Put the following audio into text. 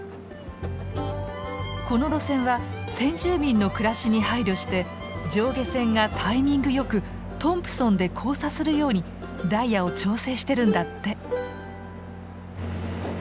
この路線は先住民の暮らしに配慮して上下線がタイミング良くトンプソンで交差するようにダイヤを調整してるんだって。